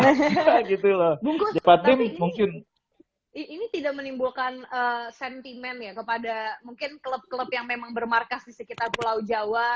tapi ini tidak menimbulkan sentimen ya kepada mungkin klub klub yang memang bermarkas di sekitar pulau jawa